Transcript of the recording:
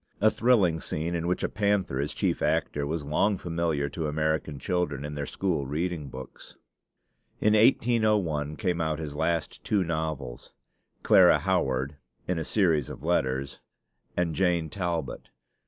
A thrilling scene in which a panther is chief actor was long familiar to American children in their school reading books. In 1801 came out his last two novels, 'Clara Howard: In a Series of Letters,' and 'Jane Talbot.'